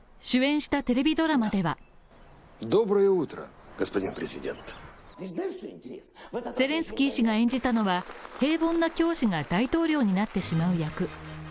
主演したテレビドラマではゼレンスキー氏が演じたのは平凡な教師が大統領になってしまう役。